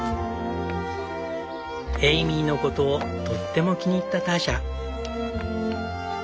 エイミーのことをとっても気に入ったターシャ。